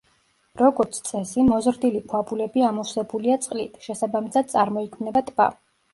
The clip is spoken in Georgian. როგორც წესი მოზრდილი ქვაბულები ამოვსებულია წყლით, შესაბამისად წარმოიქმნება ტბა.